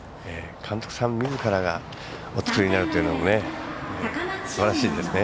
監督さんみずからがお作りになるというのもすばらしいですね。